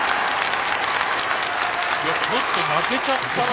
ちょっと泣けちゃったな